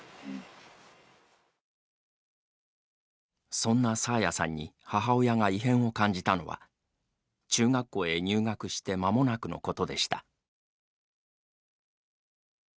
そんな爽彩さんに母親が異変を感じたのは中学校へ入学してまもなくのことでした。